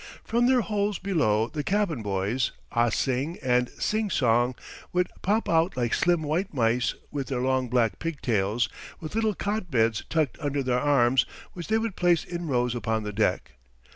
From their holes below the cabin boys, Ah Sing and Sing Song, would pop out like slim white mice with their long black pigtails, with little cot beds tucked under their arms which they would place in rows upon the deck.